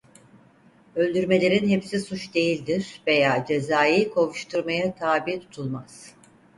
Öldürmelerin hepsi suç değildir veya cezai kovuşturmaya tabi tutulmaz.